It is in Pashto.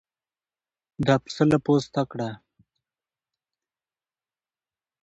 دا پسه له پوسته کړه.